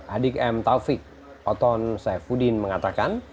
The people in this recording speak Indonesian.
adik m taufik oton saifuddin mengatakan